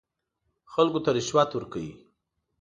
خلکو ته رشوت ورکوي.